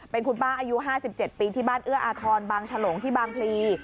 เป็นคุณป้าอายุ๕๗ปีที่บ้านเอื้ออาทรบางฉลงที่บางพลี